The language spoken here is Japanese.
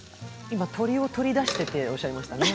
今、鶏を取り出してとおっしゃいましたね。